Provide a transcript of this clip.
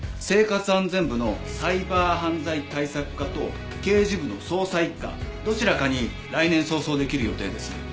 生活安全部のサイバー犯罪対策課と刑事部の捜査一課どちらかに来年早々できる予定です。